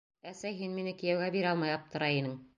Әсәй, һин мине кейәүгә бирә алмай аптырай инең...